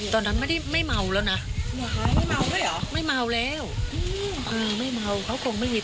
ตอนนั้นไม่ได้ไม่เมาแล้วน่ะไม่เมาแล้วอืมไม่เมาเขาคงไม่มี